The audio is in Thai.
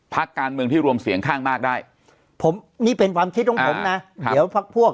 พักการเมืองที่รวมเสียงข้างมากได้ผมนี่เป็นความคิดของผมนะเดี๋ยวพักพวก